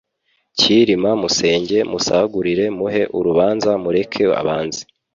Cyilima musenge musagurireMuhe urubanza mureke abanze